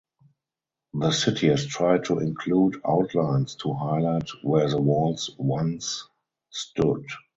The city has tried to include outlines to highlight where the walls once stood.